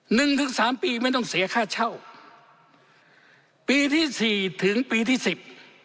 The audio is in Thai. หนึ่งถึงสามปีไม่ต้องเสียค่าเช่าปีที่สี่ถึงปีที่สิบ